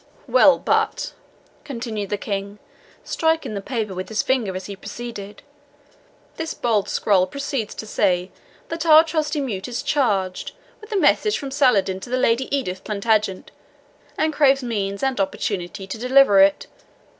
"Well, but," continued the King, striking the paper with his finger as he proceeded, "this bold scroll proceeds to say that our trusty mute is charged with a message from Saladin to the Lady Edith Plantagenet, and craves means and opportunity to deliver it.